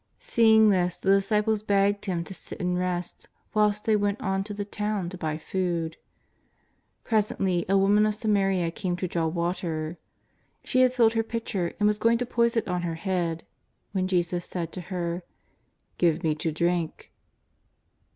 Seeing this, the disciples begged Him to sit and rest whilst they went on to the town to buy food. Presently a woman of Samaria came to draw water. She had filled her pitcher and was going to poise it on her head, when Jesus said to her: " Give Me to drink.'